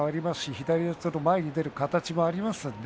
左四つで前に出る形もあります。